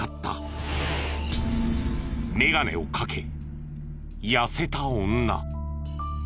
メガネをかけ痩せた女。